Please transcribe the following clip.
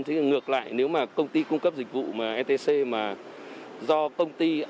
thế thì ngược lại nếu mà công ty cung cấp dịch vụ mà etc mà do công ty